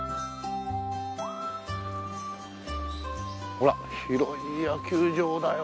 ほら広い野球場だよ